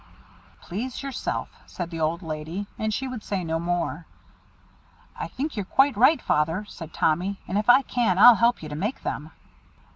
"Please yourself," said the old lady, and she would say no more. "I think you're quite right, Father," said Tommy, "and if I can, I'll help you to make them."